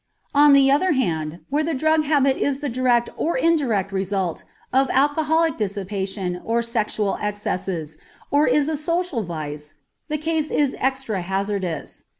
On the other hand, where the drug habit is the direct or indirect result of alcoholic dissipation or sexual excesses, or is a social vice, the case is extra hazardous.